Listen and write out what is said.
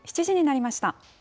７時になりました。